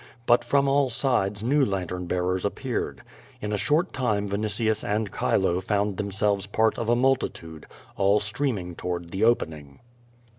But from all sides new lantern bearers appeared. In a short time Vinitius and Chilo found themselves part of a multitude, all streaming toward the opening.